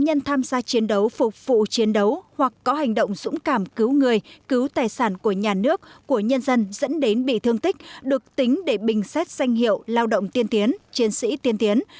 cá nhân tham gia chiến đấu phục vụ chiến đấu hoặc có hành động dũng cảm cứu người cứu tài sản của nhà nước của nhân dân dẫn đến bị thương tích được tính để bình xét danh hiệu lao động tiên tiến chiến sĩ tiên tiến